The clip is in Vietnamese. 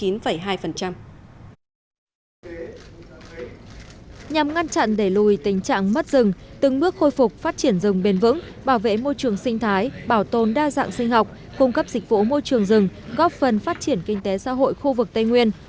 nhằm ngăn chặn đẩy lùi tình trạng mất rừng từng bước khôi phục phát triển rừng bền vững bảo vệ môi trường sinh thái bảo tồn đa dạng sinh học cung cấp dịch vụ môi trường rừng góp phần phát triển kinh tế xã hội khu vực tây nguyên